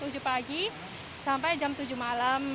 tujuh pagi sampai jam tujuh malam